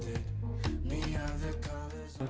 setelah bekerja di melibu nights